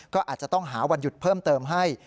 ก็อาจจะต้องหาวันหยุดเพิ่มเติมให้